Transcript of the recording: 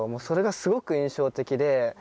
それがすごく印象的で。